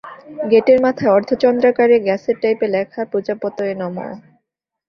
গেটের মাথায় অর্ধচন্দ্রাকারে গ্যাসের টাইপে লেখা প্রজাপতয়ে নমঃ।